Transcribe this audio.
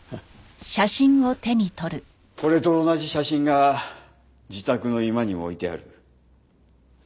これと同じ写真が自宅の居間に置いてある。